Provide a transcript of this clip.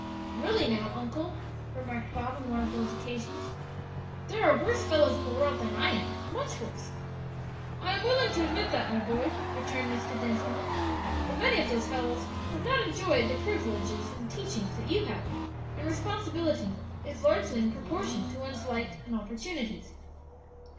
"Really now, uncle," remarked Bob on one of these occasions, "there are worse fellows in the world than I am much worse." "I am willing to admit that, my boy," returned Mr. Dinsmore; "but many of those fellows have not enjoyed the privileges and teachings that you have, and responsibility is largely in proportion to one's light and opportunities.